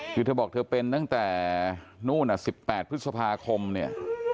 คือเธอบอกเธอเป็นตั้งแต่นู่น๑๘พฤษภาคมเนี่ย